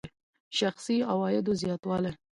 شخصي عوایدو زیاتوالی.